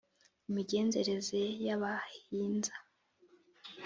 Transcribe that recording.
imigenzereze y’abahinza